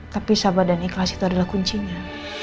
tapi sabar dan ikhlas itu adalah kuncinya